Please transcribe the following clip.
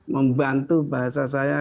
membantu bahasa saya